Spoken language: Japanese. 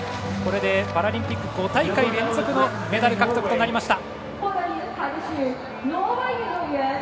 これでパラリンピック５大会連続のメダル獲得となりました。